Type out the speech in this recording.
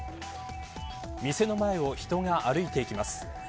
店の前を人が歩いていきます。